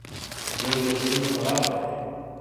ګل د زړونو تړاو دی.